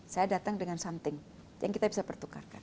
saya datang dengan something yang kita bisa pertukarkan